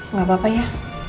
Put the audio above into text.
nggak apa apa ya